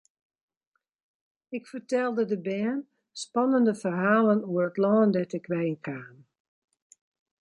Ik fertelde de bern spannende ferhalen oer it lân dêr't ik wei kaam.